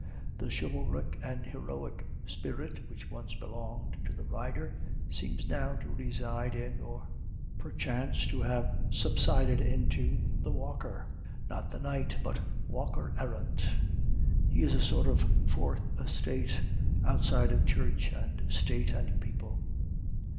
The chivalric and heroic spirit which once belonged to the Rider seems now to reside in, or perchance to have subsided into, the Walker, not the Knight, but Walker Errant. He is a sort of fourth estate, outside of Church and State and People.